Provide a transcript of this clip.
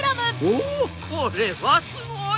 おこれはすごい！